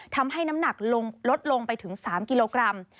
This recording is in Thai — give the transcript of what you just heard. น้ำหนักลดลงไปถึง๓กิโลกรัม